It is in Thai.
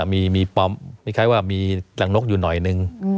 มีคล้ายว่ามีรังนกอยู่หน่อยนึง